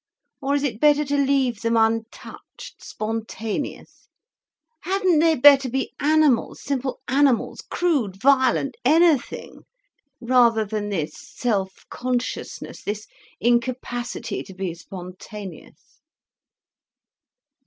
Or is it better to leave them untouched, spontaneous. Hadn't they better be animals, simple animals, crude, violent, anything, rather than this self consciousness, this incapacity to be spontaneous."